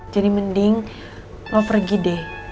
jadi mending lo pergi deh